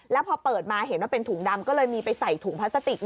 แล้วพอเปิดมาเห็นว่าเป็นถุงดำก็เลยมีไปใส่ถุงพลาสติก